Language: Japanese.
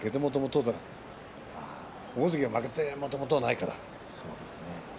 大関は負けてもともとはないから。